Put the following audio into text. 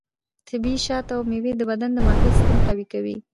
طبیعي شات او مېوې د بدن د معافیت سیستم قوي کوي.